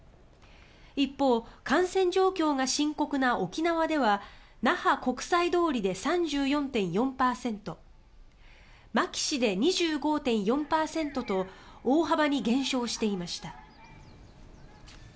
一方、感染状況が深刻な沖縄では那覇・国際通りで３４．４％牧志で２５．４％と大幅に減少していました。